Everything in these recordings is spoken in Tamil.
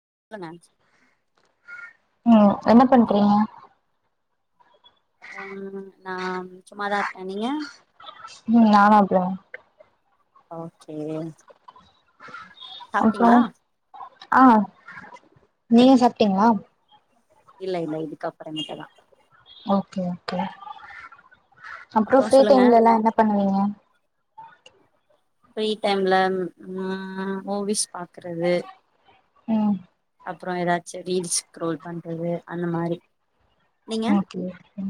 [unintelligible] ம் என்ன பண்றீங்க? அம் நா சும்மாதா இருக்கே நீங்க? ம் நானு அப்டிதா ஓகே அப்றோ சாப்டிங்ளா? ஆ நீங்க சாப்டிங்ளா? இல்ல இல்ல இதுக்கப்பறமேட்டு தா ஓகே ஓகே அப்றொ அப்புறோ ஃப்ரீ சொல்லுங்க டைம்லெல்லா என்ன பண்ணுவீங்க? ஃப்ரீ டைம்ல ம் மூவிஸ் பாக்குறது ம் அப்றொ எதாச்சு ரீல்ஸ் ஸ்க்ரோல் பண்றது அந்த மாரி நீங்க ஓகே ஓகே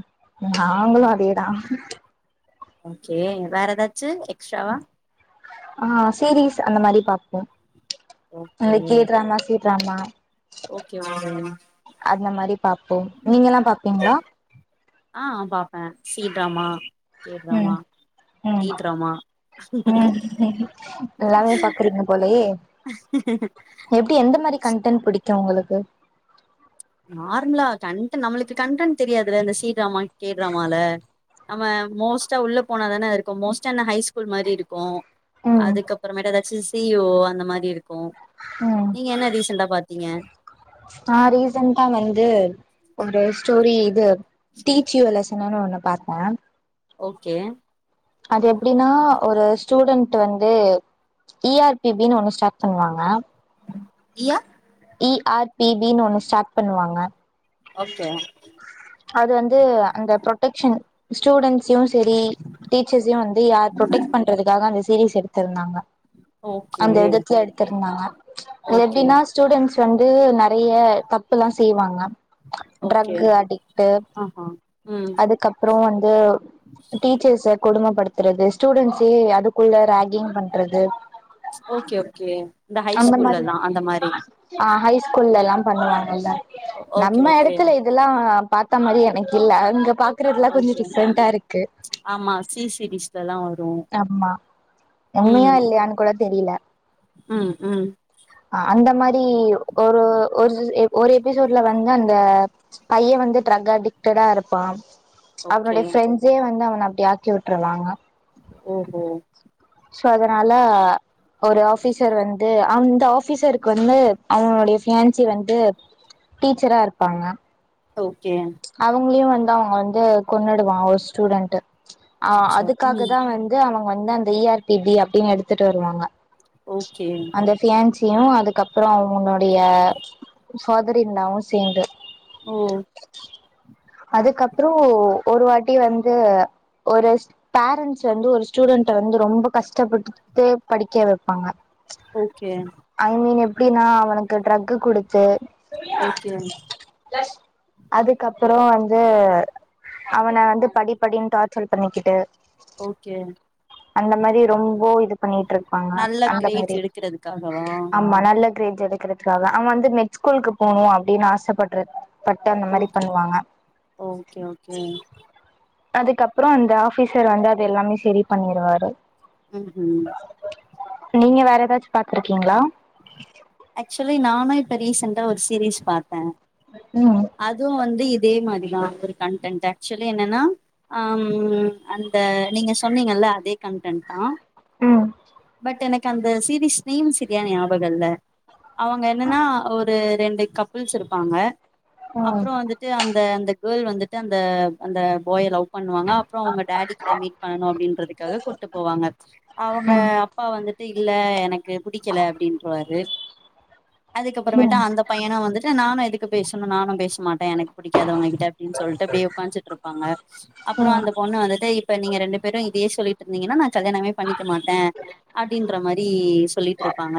நாங்களு அதே தா ஓகே வேற எதாச்சு எக்ஸ்ட்ராவா ஆ சீரீஸ் அந்த மாரி பாப்போ அ okay K drama C drama okay okay அந்த மாரி பாப்போ நீங்கல்லா பாப்பீங்ளா? ஆ பாப் ம் டி ம் ட்ராமா ம் எல்லாமே பாக்குறீங்க போலயே எப்டி எந்த மாரி கன்டண்ட் பிடிக்கு உங்களு க்கு நார்மலா கண்ட்டு நம்மளுக்கு கண்டன்ட் தெரியாதுல இந்த சீ ட்ராமா கே ட்ராமால நம்ம மோஸ்ட்டா உள்ள போனாதான இருக்கும் மோஸ்டா என்ன ஹைய் ஸ்கூல் மாரி இருக்கு ம் அதுக்கப்பறமேட்டு எதாச்சு சி இ ஓ அந்த மாரி இருக்கு ம் நீங்க என்ன ரீசண்ட்டா பாத்தீங்க? நா ரீசன் ட்டா வந்து ஒரு‌ ஸ் டோரி இது டீச் யு அ‌ லெசனுன் ஒன்னு பாத்த ஓகே அது எப்டின்னா ஒரு ஸ்டூடண் ட்டு வந்து இ ஆர் பி பி ன்னு ஒண்ணு ஸ்டார்ட் பண்ணுவாங்க. இ ஆ இ ஆர் பி பி ன்னு ஒண்ணு ஸ்டார்ட் பண்ணுவாங்க. ஓகே அது வந்து அந்த ப்ரொட்டெக்‌ஷன் ஸ்டூடன்ட்ஸயு சரி டீச்சர்ஸயு வந்து யார் ப்ரொட்டெக்ட் பண்றதுக்காக அந்த சீரீஸ் எடுத்திருந்தாங்க. ஓகே அந்த விதத்துல எடுத்திருந்தாங்க. அது ஓகே எப்டின்னா ஸ்டூடெண்ட்ஸ் வந்து நெறைய தப்பெல்லா செய்வாங்க ஓகே ட்ரக்கு அடிக்ட்டு ஆஹா ம் அதுக்கப்புறோ வந் து டீச்சர்ஸ கொடும படுத்துறது ஸ்டூடெண்ட்ஸயே அது க்குள்ள ராக்கிங் பண்றது ஓகே ஓகே இந்த ஹை அந்த மாரி ஸ்கூல்லல்லா அந்த மாரி ஆ ஹை ஸ்கூல்ல எல்லா பண்ணுவாங்கல்ல ஓ ஓகே நம்ம ஓகே எடத்துல இதல்லா பாத்தா மாரி எனக்கில்ல இங்க பாக் ஓகே ஆமா சி சீரீஸ்லல்லா வரு ஆமா ம் தெரில ம் ம் ஆ அந்த மாரி ஒரு ஒரு எ ஒரு எபிசோட்ல வந்து அந்த பைய வந்து ட்ரக் அடிக்டடா இருப்பா ஓகே அவனோட ஃபிரெண்ட்ஸே வந்து அவன அப்டி ஆக்கி உட்ருவாங்க. ஓஹோ சோ அதனால ஒரு ஆஃபீசர் வந்து அந்த ஆஃபீசருக்கு வந்து அவனுடைய ஃபியான்சி வந்து டீச்சரா இருப்பாங்க ஓ அவங்களயு வந் து அவ வந்து கொன்னுடுவா ஒரு ஸ்டூடெண்ட்டு. ஆ அச்சச்சோ ம் அதுக்காகதா வந்து அவங் க வந்து அந்த இ ஆர் பி டி அப்டின்னு எடுத்துட்டு வருவாங்க ஓகே யு அதுக்கப்பறோ அவனோ டய ஃபாதர் இன் லாவு சேந்து ஓ துக் அப்புற ஒரு வாட்டி வந்து ஒரு ஸ் பேரண்ட்ஸ் வந்து ஸ்டூடண்ட்டா வந்து ரொம்ப கஷ்டபட்டு படிக்க வைபாங்க ஓக்கே கே நா அவனுக்கு ட்ரகு கொடுத்து ஓக்கேம் அப்புற வந்து அவன ந்து படி படின் டார்ச்சல் பண்ணிக்கிட்டு ஓகே அந்த மாரி ரொம்ப இது பண்ணிட்டுருப்பாங்க நல்ல அந்த கிரேட்ஸ் மாரி எடுக்கறதுக்காகவா ஆம்மா நல்ல பேஜ் எடுக்கறதுக்காகா அவ வந்து மெட் ஸ்கூல்கு போவான் அபடின் ஆசப்படறது பட்ட அந்த மாரி ஓக்கே பண்ணுவாங்க ஓக்கே அதுக் அப்புற அந்த ஆபிசர் வந்து அது எல்லாமே செரி பண்ணிருவாரு ம் ம் நீங்க வேற ஏதாச்சி பாத்துருக்கிங்ளா ஆக்சுலி நானு இப்ப ரீசண்டா ஒரு சீரிஸ் பார்த்தே ம் அதுவும் வந்து இதே மாரி ஆ கன்டன்ட் ஆக்சுவலி என்னன்னா ஆ ம் அந்த நீங்க சொன்னீங்கல்ல அதே கன்டன்ட் தா ம் எனக்கு அந்த சீரீஸ் நேம் சரியா ஞாபக இல்ல அவங்க என்னன்னா ஒரு ரெண்டு கப்புள்ஸ் இருப்பாங்க ம் அப்புற வந்துட்டு அந்த அந்த கேர்ள் வந்துட்டு அந்த அந்த பாய லவ் பண்ணுவாங்க அப்புறம் அவங்க டேடி கிட்ட மீட் பண்ணணும் அப்படின்றதுக்காக கூட்டு போவாங்க அவுங்க ப்ப வந்துட்டு இல்ல எனக் கு பிடிக்கல அப்டின்றவாரு அதுக்கப்புறமேட்டு ம் அந்த பையனம் வந்துட் ட நானு எதுக்கு பேசணும் நானு பேச மாட்டே எனக் பிடிக்காத அவங்ககிட்ட அப்டின் சொல்ட்டு அப்டியே உக்காஞ்ச்சுட்டு இருப்பாங்க ம் அப்புறம் அந்த பொண்ணு வந்துட்டு இப்ப நீங்க ரெண்டு பேரும் இ டியே சொல்லிட்டு இருந்தீங்கன்னா நா கல்யாணமே பண்ணிக் க்க மாட்டே அப்டின்ற மாரி சொல்லிட்டுருப்பாங்க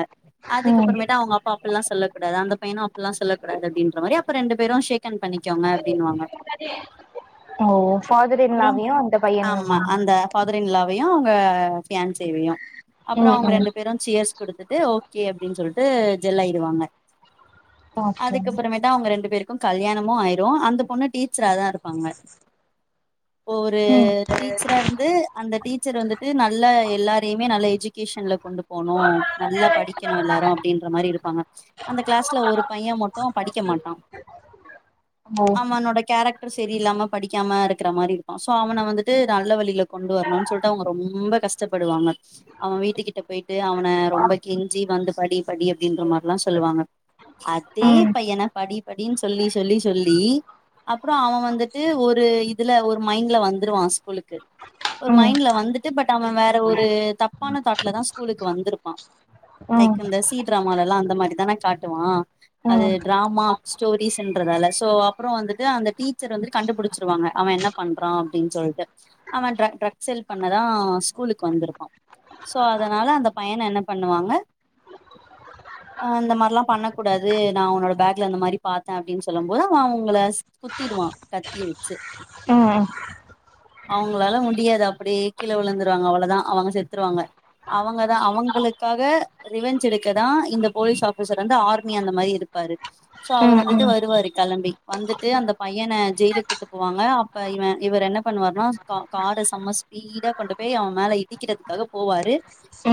ம் அதுக்கப்புறமேட்டு அவுங்க அப்பா அப்ல்லா சொல்லக்கூடாது அந் ந்த பையனம் அப்பெல்லா சொல்லக்கூடாது அப்டின்ற மாரி அப்ப ரெண்டு பேரும் ஷேக். ஹேண்ட் பண்ணிக்கோங்க அப்டின்னுவாங்க ஓ. ஓ ஃபாதர் இன் அப்புறோ லாவையும் அந்த பையனிம்மா பையும் அவுங்க பியான் சேய்வையும் அப்றோ ம் அவங்க ம் ரெண்டு பேரு சியர்ஸ் குடுத்து ட்டு ஓகே அப்டின்னு சொல்ட்டு ஜெல் ஆயிடுவாங்க ஓகே அதுக்கப்புறமேதா அவங்க ரெண்டு பேருக்கும் கல்யாணமு ஆயிரு அந்த பொண்ணு டீச்சராதா இருப்பாங்க. ஒரு ம் டீச்சரா இருந்து அந்த டீச்சர் வந்துட்டு நல்ல எ ல்லாரயுமே நல்ல எஜு கேஷன்ல கொண்டு போணு நல்லா படிக்கணு எல்லாரு அப்டின்ற மாரி இருப்பாங்க. அந்த கிளாஸ்ல ஒரு பைய மட்டு படிக்க மாட்டா ஓ அவனோட கேரக் டர் செரி இல்லாம படிக்காம இருக்கற மாரி இரு க்கு சோ அவன வந்துட்டு நல்ல வழில கொண்டு வரணுன்னு சொல்ட்டு அவங்க ரொம்ப கஷ் டப்படுவாங்க அவ வீட்டு கிட்ட போயிட்டு அவன ரொம்ப கெஞ்சி வந்து படி படி அப்டின்ற மாரிலா சொல்லுவாங்க. அதே ம் பையன படி படின்னு சொல்லி சொல்லி சொல்லி அப்றோ அவ வந்துட்டு ஒரு இதுல ஒரு மைண்ட்ல வந்துருவா ஸ்கூலுக்கு ஒரு ம் மைண்ட்ல வந்துட்டு பட் அவ வேற ஒரு தப் பு தாட்லதா ஸ்கூலுக்கு வந் துருப்பா ம் லைக் அந்த சி ட்ராமாலல்லா அ ந்த மாரிதான காட்டுவா அது ம் ட்ராமா ஸ்டோரீஸுன்றதால சோ அப்றோ வந்துட்டு அந்த டீச்சர் வந்து கண்டுபுடிச்சிருவாங்க அவ என்ன பண்றா அப்டின் சொல்ட்டு. அவ [unintelligible] சேல் பண்ணதா ஸ்கூலுக்கு வந்துருப்பா சோ அதனால அந்த பையன என்ன பண்ணுவாங்க ஆ இந்த மாரிலா பண்ண கூடாது நா உன்னோட பேக்ல இந்த மாரி பாத்தே அப்படின் சொல்லும்போது அவ அவுங்கள குத்திடுவா கத்திய வெச்சு ம் அவங்களால முடியாது அப்டியே கீழே விழுந்துருவாங்க அவ்ளதா அவங்க செத்துருவாங்க அவங்கதா அவங்களுக்காக ரிவெஞ்ச் எடுக்கதா இந்த போலீஸ் ஆஃபீசர் வந்து ஆர்மி அந்த மாரி இருப்பாரு சோ அவர் ம் வந்துட்டு ம் வருவாரு கெளம்பி வந்துட்டு அந்த பையன ஜெயிலுக்கு கூட்டு போவாங்க அப்ப இவ இவர் என்ன பண்ணுவார்னா கா கார செம ஸ்பீடா கொண்டு போய் அவ மேல இடிக்கிறதுக்காக போவாரு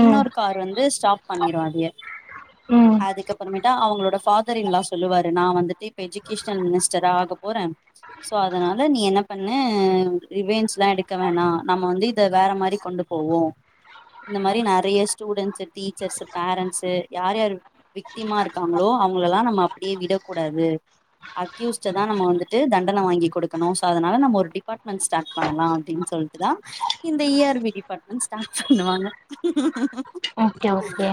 ம் கார் வந்து ஸ்டாப் பண்ணிரு அதய ம் அதுக்கப்பறமேட்டு அவங்களோட ஃபாதர் இன் லா சொல்லுவாரு நா வந்துட்டு இப்ப எஜுகேஷனல் மினிஸ்டரா ஆக போறே சோ அதனால நீ என்ன பண்ணு ரிவென்ஜ்லா எடுக்க வேணா நம்ம வந்து இத வேற மாரி கொண்டு போவோ இந்த மாரி நெறைய ஸ்டூடெண்ட்ஸு டீச்சர்ஸ் பேரண்ட்ஸு யார் யார் விக்டிமா இருக்காங்களோ அவங்கள எல்லா நம்ம அப்டியே விடக்கூடாது அக்யூஸ்ட்டதா நம்ம வந்துட்டு தண்டன வாங்கி கொடுக்கணு சோ அதனால நம்ம ஒரு டிபார்ட்மெண்ட்ஸ் ஸ்டார்ட் பண்ணலா அப்டின் சொல்ட்டுதா இந்த E R P department start பண்ணுவாங்க ஓகே ஓகே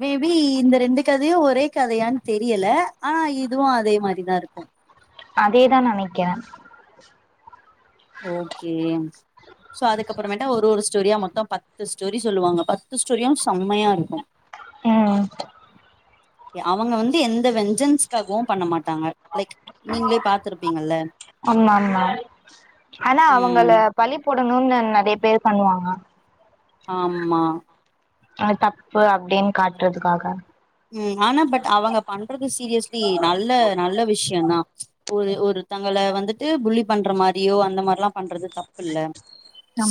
மேபி இந்த ரெண்டு கதையு ஒரே கதையான் தெரியல ஆ இதுவு அதே மாரிதா இருக்கு அதேதான்னு நெனக்கிறே ஓகே சோ அதுக்கப்புறமேட்டா ஒரு ஒரு ஸ்டோரியா மொத்த பத்து ஸ்டோரி சொல்லுவாங்க பத்து ஸ்டோரியு செம்மையா இருக்கு ம் எ அவங்க வந்து எந்த வெஞ்சன்ஸ்காகவு பண்ண மாட்டாங்க லைக் நீங்ளே பாத்துருப்பீங்கல்ல ஆமா ஆமா ஆனா அவங்கள ம் பழி போ டணுன்னு நெ நெறைய பேர் பண்ணுவாங்க ஆமா அது தப்பு அப்டின் காட்றதுக்காக ம் ஆனா பட் அவங்க பண்றது சீரியஸ்லி நல்ல நல்ல விஷ்யந்தா ஒரு ஒருத்தங்கள வந்துட்டு புல்லி பண்ற மாரியோ அந்த மார்லா பண்றது தப்புல்ல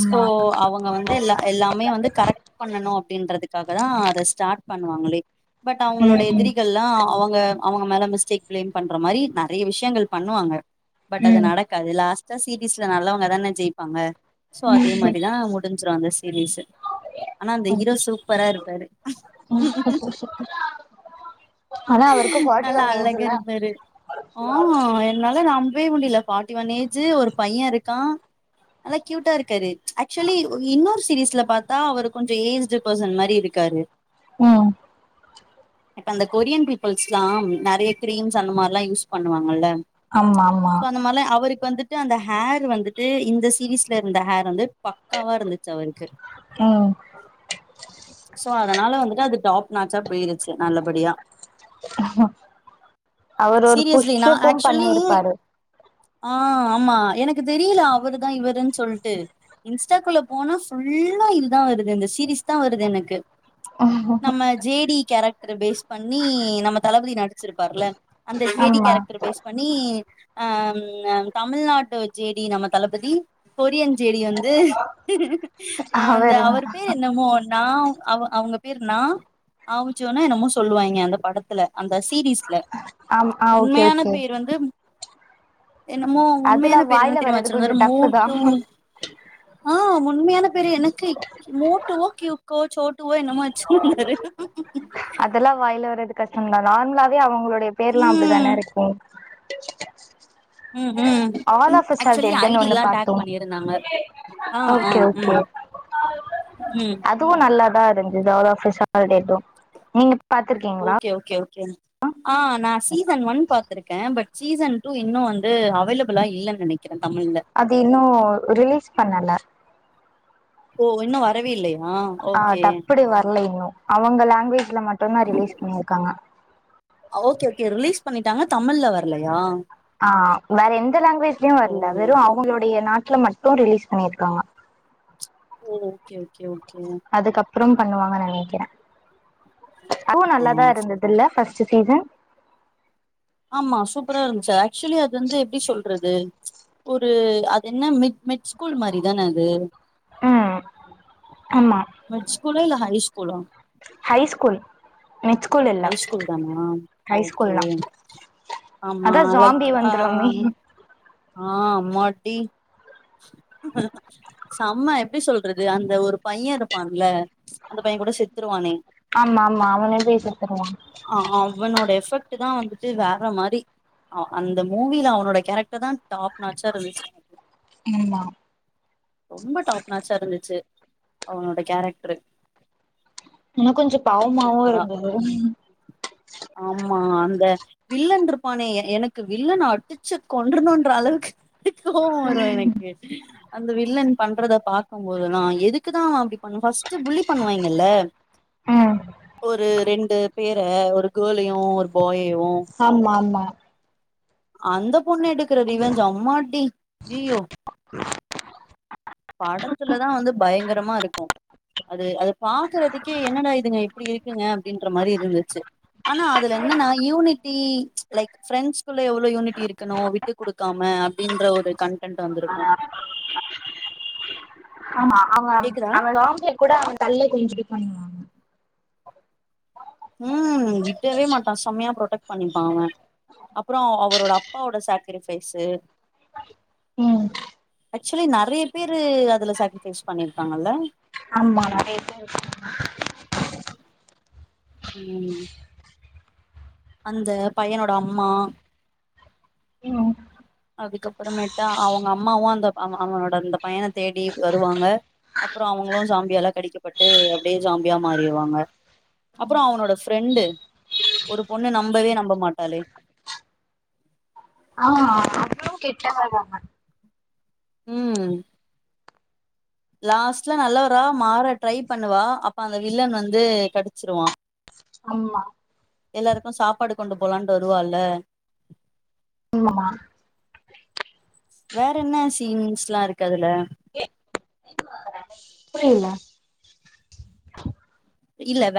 ஸோ அவுங்க வந்து இல்ல எல்லாமே வந்து கரெட் பண்ணணு அப்டின்றதுக்காக தா அத ஸ்டார்ட் பண்ணுவாங்களே பட் அவுங்களோட ம் எதிரிகள்லா அவங்க அவுங்க மேல மிஸ்டேக் பிளேம் பண்ற மாரி நெறைய விஷ்யங்கள் பண்ணுவாங்க பட் அது ம் நடக்காது லாஸ்டா சீரிஸ்ல நல்லவங்கதானெ ஜெயிப்பாங்க சோ அதே ம் மாரிதா முடுஞ்சுரு அந்த சீரீஸு ஆனா அந்த ஹீரோ சூப்பரா இருப்பாரு ஆனா அவருக்கு ஃபார்ட்டி நல்ல ஒன் அழகா ஏஜ்ல இருப்பாரு ஆ என்னால நம் பவே முடில ஃபாட்டி ஒன் ஏஜு ஒரு பைய இருக்கா நல்லா க்யூட்டா இருக்காரு ஆக்சுவலி இன்னொரு சீீரிஸ்ல பாத்தா அவர் கொஞ்ச ஏஜ்டு பர்சன் மாரி இருக்காரு ம் இப்ப அந்த கொரியன் பீப்புள்ஸ்லா நெறய கிரீம்ஸ் அந்த மார்லா யூஸ் பண்ணுவாங்கல்ல ஆமா ஆமா க்கு வந்துட்டு அந்த ஹேர் வந்துட்டு இந்த சீரீஸ்ல இருந்த ஹேர் வந்து பக்காவா இருந்துச்சு அவருக்கு ம் சோ அதனால வந்துட்டு அது டாப் னாச்சா போயிருச்சு நல்லபடியா அவர் ஒரு சீரியஸ்லி நா புஷ்கேப்பும் ஆக்சுவலி பண்ணிருப்பாரு ஆ ஆமா எனக்கு தெரியில அவரு தா இவருன் சொல்ட்டு இன்ஸ்டாக்குள்ள போனா ஃபுல்லா இதுதா வருது இந்த சீரீஸ் தா வருது எனக்கு நம்ம ஜே [inaudible] டி கேரக்டர் பேஸ் பண்ணி நம்ம தளபதி நடுச்சிருப்பார்ல அந்த ஜே டி ஆமா கேரக்டர் பேஸ் பண் ணி ஆ ம்‌ அ தமிழ்நாட்டொ ஜே டி நம்ம தளபதி கொரியன் ஜேடி வந்து அ அந்த அவருங்க அவரு பேரு எ ன்னமோ நா அவ அவுங்க பேர் நா ஆவுச்சோனா என்னமோ சொல்லுவாய்ங்க அந்த படத்துல அந்த சீரீஸ்ல அம் ஆ ஓகே உண்மையான ஓகே பேர் வந்து என்னமோ அதெல்லா உண்மையான பேரு என்ன வாயில தெரிமா வர்றது கொஞ்சோ வச்சிருந்தாரு டஃப் தா மோட்டூ ஆ உண்மையான பேரு எனக்க மோட்டுவோ கியூக்கோ சோட்டுவோ என்னமோ வச்சுருந்தாரு உஉஉ அதல்லா வாய்ல வரது கஷ்டம் தா நார்மலாவே அவுங்களோ ட பேர்லா அப்டிதான ம் இருக்கு ட்டா ம் ம் all of us are actually டெட்டுன்னு ஒன்னு ஐடில்லா பாத்தொ டேக் பண்ணிருந்தாங்க ஆ ஆ ஓகே ஓகே ம் ம் அதுவு நல்லா ருந்தது all of us are dead நீங்க பாத்துருக்கீங்களா? கே ஆ நா சீசன் ஒன் பாத்துருக்கே பட் சீசன் டூ இன்னு வந்து அவைலபிளா இல்லன் நெனைக்க அது இன்னு ரிலீஸ் பண்ணல ஓ இன்னு வரவே இல்ல ஆ டப்படி வர்ல இன்னு அவங்க லாங்குவேஜ்ல மட்டுந்தா ரிலீஸ் பண்ணிருக்காங்க ஓகே ஓகே ரிலீஸ் பண்ணிட்டாங்க தமிழ்ல வர்லயா ஆ வேற எந்த லாங்குவேஜ்லயு ஓ வர்ல வெறு அவுங்ளுடைய நா த்லமட்டு ரிலீஸ் பண்ணிருக்காங்க ம் ஓகே ஓகே ஓ கே ப்றம் பண்ணுவாங்க நெனக்கிறே அதுவு ஆ நல்லாதா இருந்ததுல ஃபஸ் ட்டு சீசன் ஆமா சூப்பரா இருன்ச்சு ஆக்சுவலி அது வந்து எப்டி சொல்றது ஒரு அது என்ன மிட் மிட் ஸ்கூல் மாரி தான அது ஆ மிட் ஸ்கூலு இல்ல ஹை ஸ்கூலா ஹை ஸ்கூல் மிட் ஸ்கூல் இல்ல ஹை ஸ்கூல் தானா ஹை ஸ்கூல் ஓகே தா ஆமா அதா ஜாம்பி லைக் ஆ வந்துருமே ம் ஆ அம்மாட்டி சம்ம எப்டி சொல்றது அந்த ஒரு பைய இருப்பான்ல அந்த பைய கூட செத்துருவானே ஆமாமா அவன அ அவனோட எஃபெக்ட் ட்டுதா வந்துட்டு வேற மாரி அ அந்த மூவில அவனோட கேரக்டர் தா டாப்னாச்சா இருந்துச்சு [unintelligible] ரொம்ப டாப்னாச்சா இருந்துச்சு அவனோட கேரக்ட்ரு என்ன கொஞ்ச பாவமாவு இருந்தது ஆமா அந்த வில்லன்ருப்பானே எனக்கு வில்லன அடுச்சு கொன்றனுன்ற அளவுக்கு கோவ வரு எனக்கு அந்த வில்லன் பண்றத பாக்கும்போதுலா எதுக்கு தா அவ அப்டி பண்ணு ஃபஸ்ட்டு புல்லி பண்ணுவாய்ங்கல்ல ம் ஒரு ரெண்டு பேர ஒரு கேலயு ஒரு பாய ஆமா ஆமா அந்த பொண்ணு எடுக்குற ரிவென்ஜ் அம்மாடி அய்யோ ட்ராட்ர படத்துலதா வந்து பயங்கரமா இருக்கு அது அது பாக்குறதுக்கே என்னடா இதுங்க இப்டி இருக்குங்க அப்டின்ற மாரி இருந்துச்சு ஆனா அதுல என்னன்னா யூனிட்டி லைக் ஃப்ரெண்ட்ஸ்குள்ள எவ்ளொ யூனிட்டி இருக்கணு விட்டு குடுக்காம அப்டின்ற ஒரு கன்டென்ட் வந்துருக்கு மா அவ அவ [unintelligible] குட அவ தல்ல குனிஞ்சிட்டு பண்ணுவாங்க ம் விடவே மாட்டா செம்மையா ப்ரொடெக்ட் பண்ணிப்பா அவ அப்புறொ அவரோட அப்பாவோட சாக்கிரிஃபைஸு ம் ஆக்சுலி நெறைய பேரு அதுல சாக்ரிஃபைஸ் பண்ணிருக்காங்கல்ல ஆமா நறைய பேர் [inaudible] ம் ம் அந்த பையனோட அம்மா ம் அதுக்கு அப்பறமேட்டா அவுங்க அம்மாவு அந்த அவ அவனோட அந்த பையன தேடி வருவாங்க அப்றொ அவுங்களு ஜாம்பியாலா கடிக்கப்பட்டு அப்டியே ஜாம்பியா மாறிருவாங்க அப்றொ அவனோட ஃபிரெண்டு ஒரு பொண்ணு நம்பவே நம்ப மாட்டாளே ஆ அவளு கெட்டவ தான ம் லாஸ்ட்ல நல்லவரா மாற ட்ரை பண்ணுவா அப்ப அந்த வில்லன் வந்து கடுச்சுருவா ஆம்மா எல்லாருக்கு சாப்பாடு கொண்டு போலான்டு வருவால்ல ஆமா வேறென்ன சீன்ஸ்லா இருக்கு அதுல புரியில இல்ல வே